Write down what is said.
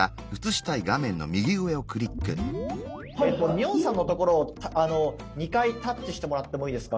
ミオンさんのところを２回タッチしてもらってもいいですか？